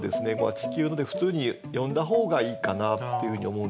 「地球の」で普通に読んだ方がいいかなっていうふうに思うんですよね。